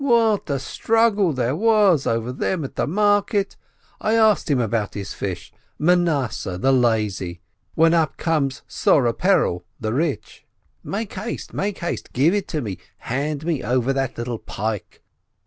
What a struggle there was over them at the market! I asked him about his fish — Manasseh, the lazy — when up comes Soreh Peril, the rich: Make haste, give it me, hand me over that little pike